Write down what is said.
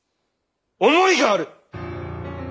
思いがある！